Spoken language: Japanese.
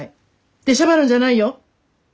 出しゃばるんじゃないよ！